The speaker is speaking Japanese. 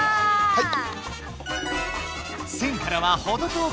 はい。